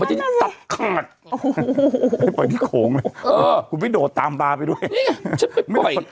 ไม่ได้เลยปล่อยที่โขงเลยเออกูไปโดดตามปลาไปด้วยนี่จะไปปล่อย